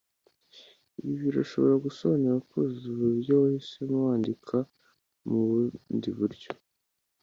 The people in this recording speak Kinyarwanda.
Ibi birashobora gusobanura kuzuza uburyo wahisemo wandika mubundi buryo